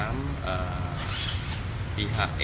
ini mencium cium kening dari a